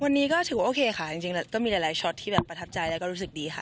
วันนี้ก็ถือว่าโอเคค่ะจริงแล้วก็มีหลายช็อตที่แบบประทับใจแล้วก็รู้สึกดีค่ะ